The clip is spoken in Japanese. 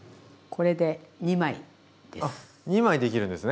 これで２枚です。